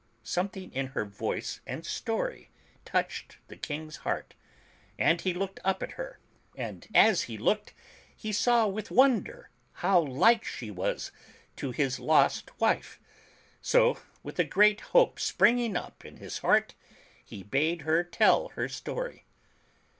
Something in her voice and story touched the King's heart, and he looked up at her, and as he looked, he saw with wonder how like she was to his lost wife, so with a great hope springing up in his heart, he bade her tell her story.